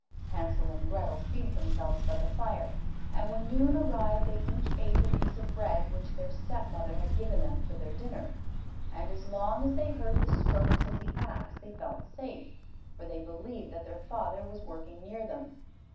Hansel and Grethel seated themselves by the fire, and when noon arrived they each ate the piece of bread which their stepmother had given them for their dinner; and as long as they heard the strokes of the axe they felt safe, for they believed that their father was working near them.